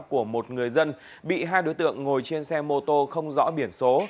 của một người dân bị hai đối tượng ngồi trên xe mô tô không rõ biển số